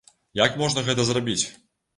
Як можна гэта зрабіць?